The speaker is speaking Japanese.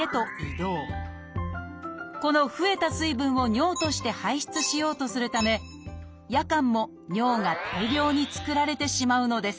この増えた水分を尿として排出しようとするため夜間も尿が大量に作られてしまうのです。